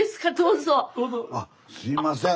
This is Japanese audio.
あすいません。